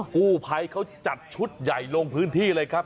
กู้ภัยเขาจัดชุดใหญ่ลงพื้นที่เลยครับ